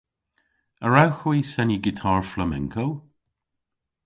A wrewgh hwi seni gitar flamenco?